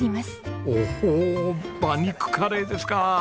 おほお馬肉カレーですか！